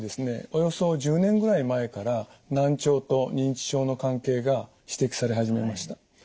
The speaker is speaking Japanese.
およそ１０年ぐらい前から難聴と認知症の関係が指摘され始めました。